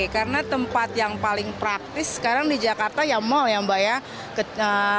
karena tempat yang paling praktis sekarang di jakarta ya mall ya mbak ya